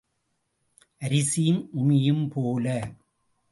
அரிசியும் உமியும் போல.